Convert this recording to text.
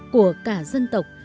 của cả dân tộc